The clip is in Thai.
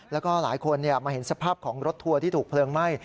แล้วก็หลายคนมาเห็นสภาพของรถทัวร์ที่ถูกเพลิงไหม้